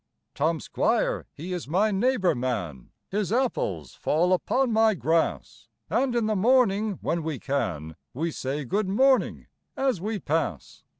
Tom Squire he is my neighbour man, His apples fall upon my grass, And in the morning, when we can, We say good morning as we pass.